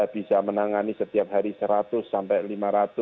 bisa menangani setiap hari seratus sampai lima ratus